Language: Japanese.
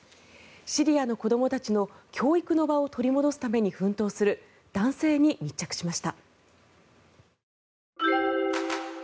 シリアの子どもたちの教育の場を取り戻すために奮闘する男性に密着しました。